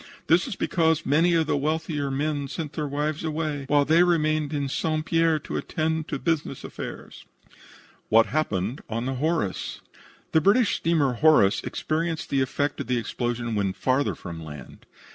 This is because many of the wealthier men sent their wives away, while they remained in St. Pierre to attend to their business affairs." WHAT HAPPENED ON THE "HORACE" The British steamer Horace experienced the effect of the explosion when farther from land.